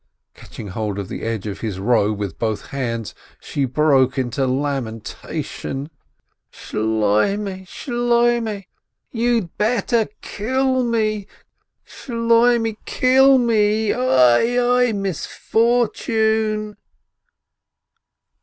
Catching hold of the edge of his robe with both hands, she broke into lamentation: "Shloimeh, Shloimeh, you'd better kill me! Shloimeh ! kill me ! oi, oi, misfortune